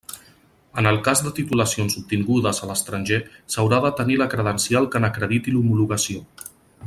En el cas de titulacions obtingudes a l'estranger s'haurà de tenir la credencial que n'acrediti l'homologació.